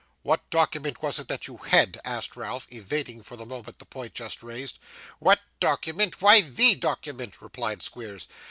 'What document was it that you had?' asked Ralph, evading, for the moment, the point just raised. 'What document? Why, THE document,' replied Squeers.